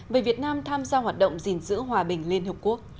về việt nam tham gia hoạt động dình dữ hòa bình liên hợp quốc